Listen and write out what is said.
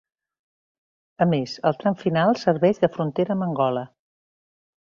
A més, al tram final serveix de frontera amb Angola.